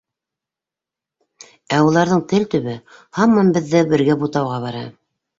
Ә уларҙың тел төбө һаман беҙҙе бергә бутауға бара.